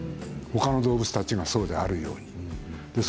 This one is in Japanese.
ほかの動物たちがそうであるように。